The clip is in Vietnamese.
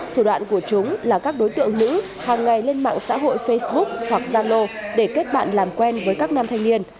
thủ đoạn của chúng là các đối tượng nữ hàng ngày lên mạng xã hội facebook hoặc zalo để kết bạn làm quen với các nam thanh niên